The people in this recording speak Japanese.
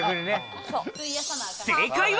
正解は。